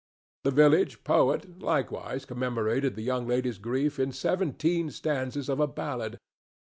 The village poet likewise commemorated the young lady's grief in seventeen stanzas of a ballad.